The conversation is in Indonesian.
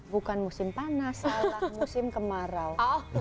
bukan musim panas adalah musim kemarau